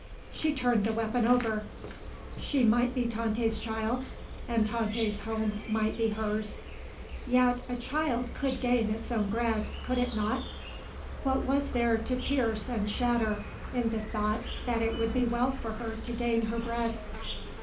She turned the weapon over. She might be Tante's child and Tante's home might be hers; yet a child could gain its own bread, could it not? What was there to pierce and shatter in the thought that it would be well for her to gain her bread?